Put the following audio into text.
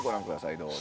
どうぞ。